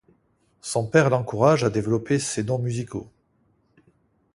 Son père l'encourage à développer ses donc musicaux.